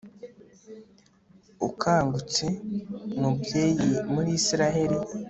ukangutse, mubyeyi muri israheli